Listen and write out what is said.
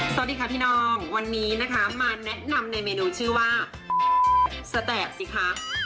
สวัสดีค่ะพี่น้องวันนี้นะคะมาแนะนำในเมนูชื่อว่าสแตกสิคะ